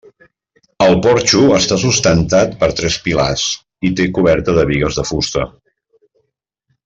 El porxo està sustentat per tres pilars i té coberta de bigues de fusta.